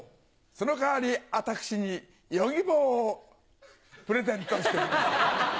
その代わり私に「Ｙｏｇｉｂｏ」をプレゼントしてください。